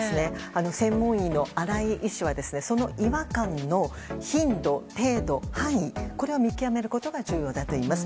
専門医の新井医師はその違和感の頻度・程度・範囲これを見極めることが重要だといいます。